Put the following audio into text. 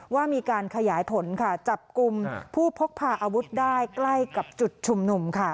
ว่ามีการขยายผลค่ะจับกลุ่มผู้พกพาอาวุธได้ใกล้กับจุดชุมนุมค่ะ